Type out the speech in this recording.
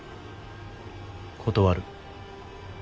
断る。